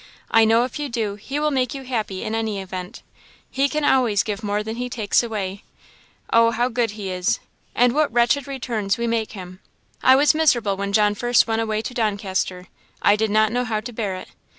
I know if you do, he will make you happy, in any event. He can always give more than he takes away. Oh, how good he is! and what wretched returns we make him! I was miserable when John first went away to Doncaster; I did not know how to bear it.